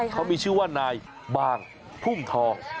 เขามีชื่อว่านายบางพุ่มทอง